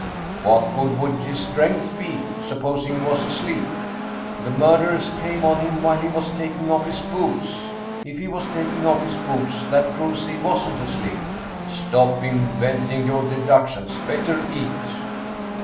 " What good would his strength be, supposing he was asleep?" " The murderers came on him while he was taking off his boots. If he was taking off his boots, that proves that he wasn't asleep !"" Stop inventing your deductions ! Better eat